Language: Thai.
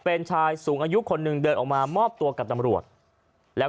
เป็นชายสูงอายุคนหนึ่งเดินออกมามอบตัวกับตำรวจแล้วก็